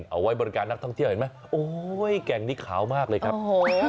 เอาไว้บริการนักท่องเที่ยวเห็นไหมโอ้ยแก่งนี้ขาวมากเลยครับโอ้โห